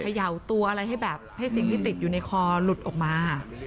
เขย่าตัวอะไรให้แบบให้สิ่งที่ติดอยู่ในคอหลุดออกมา